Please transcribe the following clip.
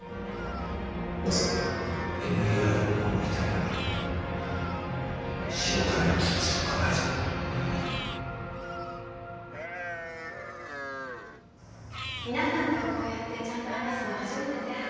まさかＭＥＲを守りたいなら白金を潰すほかないぞ皆さんとこうやってちゃんと話すの初めてね